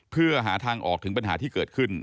เพื่อหาทางออกถึงปัญหาที่เกิดขึ้น